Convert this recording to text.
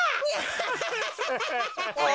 ハハハハ。